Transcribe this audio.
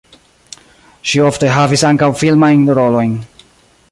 Ŝi ofte havis ankaŭ filmajn rolojn.